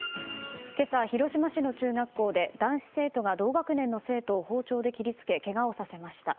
今朝、広島市の中学校で男子生徒が同学年の生徒を包丁で切り付けけがをさせました。